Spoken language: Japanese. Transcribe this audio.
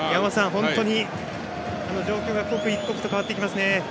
本当に状況が刻一刻と変わってきますね。